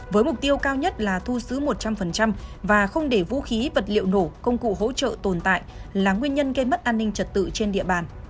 với mục tiêu cao nhất là thu xứ một trăm linh và không để vũ khí vật liệu nổ công cụ hỗ trợ tồn tại là nguyên nhân gây mất an ninh trật tự trên địa bàn